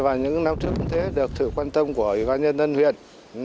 và những năm trước cũng thế được sự quan tâm của quân nhân dân huyện